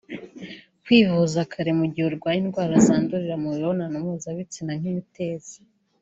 Kwivuza kare mu gihe urwaye indwara zandurira mu mibonano mpuzabitsina nk’imitezi